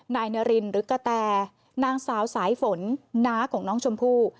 นายนารินหรือกะแตนางสาวสายฝนน้าของน้องชมพู่